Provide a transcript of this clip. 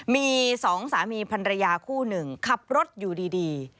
มีสองสามีพันรยาคู่หนึ่งขับรถอยู่ดี